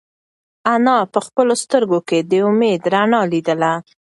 انا په خپلو سترگو کې د امید رڼا لیدله.